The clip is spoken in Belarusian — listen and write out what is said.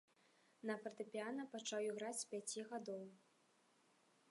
На фартэпіяна пачаў іграць з пяці гадоў.